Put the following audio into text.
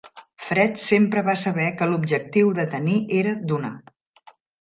Fred sempre va saber que l'objectiu de tenir era donar.